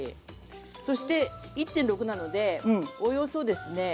そして１．６なのでおよそですね